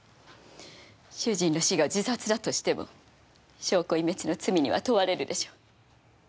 主人の死が自殺だとしても証拠隠滅の罪には問われるでしょ。